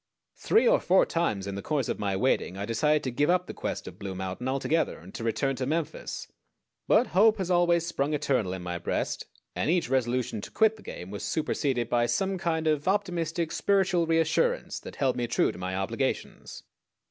Three or four times in the course of my waiting I decided to give up the quest of Blue Mountain altogether and to return to Memphis; but hope has always sprung eternal in my breast, and each resolution to quit the game was superseded by some kind of optimistic spiritual reassurance that held me true to my obligations.